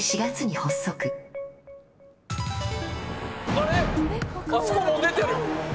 あれっ⁉あそこもう出てる。